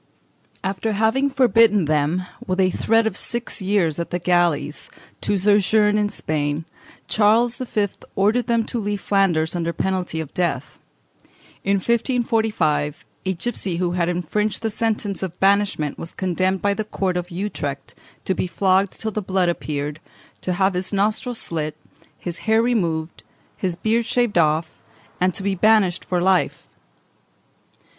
After having forbidden them, with a threat of six years at the galleys, to sojourn in Spain, Charles V. ordered them to leave Flanders under penalty of death. In 1545, a gipsy who had infringed the sentence of banishment was condemned by the Court of Utrecht to be flogged till the blood appeared, to have his nostrils slit, his hair removed, his beard shaved off, and to be banished for life.